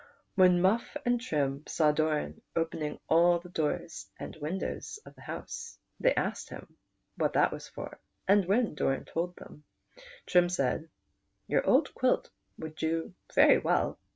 When Muff" and Trim saw Doran opening all the doors and windows of the house, they asked him what that was for, and when Doran told them, Trim said : "Your old quilt would do very well.